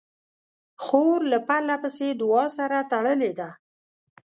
خور له پرله پسې دعا سره تړلې ده.